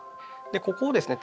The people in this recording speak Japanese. ここをですね